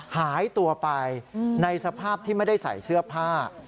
หายตัวไปในสภาพที่ไม่ได้ใส่เสื้อผ้า